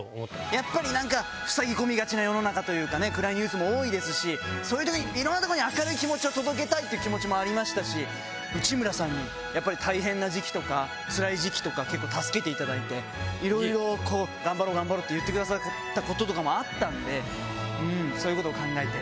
やっぱりなんか、ふさぎ込みがちな世の中というか、暗いニュースも多いですし、そういうときに、いろんな所に明るい気持ちを届けたいっていう気持ちもありましたし、内村さんに、やっぱり大変な時期とか、つらい時期とか、結構助けていただいて、いろいろ、こう、頑張ろう、頑張ろうって言ってくださったこととかもあったんで、そういうことを考えて。